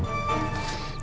aku mau ke rumah sakit